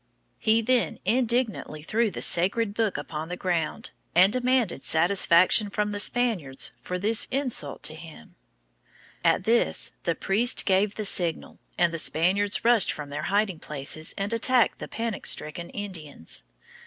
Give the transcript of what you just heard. He then indignantly threw the sacred book upon the ground, and demanded satisfaction from the Spaniards for this insult to him. At this the priest gave the signal, and the Spaniards rushed from their hiding places and attacked the panic stricken Indians.